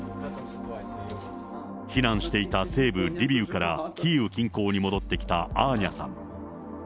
避難していた西部リビウからキーウ近郊に戻ってきたアーニャさん。